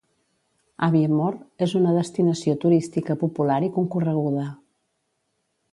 Aviemore és una destinació turística popular i concorreguda.